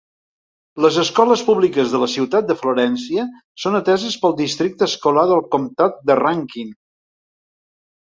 Les escoles públiques de la ciutat de Florència són ateses pel Districte Escolar del Comtat de Rankin.